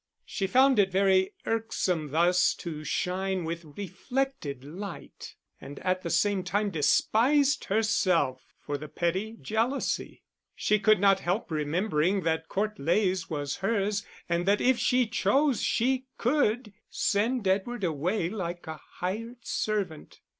She found it very irksome thus to shine with reflected light, and at the same time despised herself for the petty jealousy. She could not help remembering that Court Leys was hers, and that if she chose she could send Edward away like a hired servant.